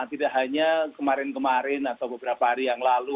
tidak hanya kemarin kemarin atau beberapa hari yang lalu